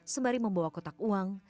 sembari membawa kotak uang